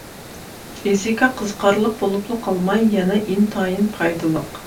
فىزىكا قىزىقارلىق بولۇپلا قالماي، يەنە ئىنتايىن پايدىلىق.